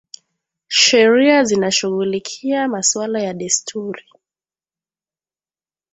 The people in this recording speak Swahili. Sheria zinashughulikia masuala mengi ya desturi